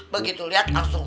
begitu lihat langsung